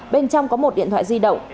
bên trong có một điện thoại di động